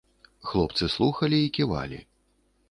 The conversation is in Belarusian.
Хлопцы слухалі і ківалі.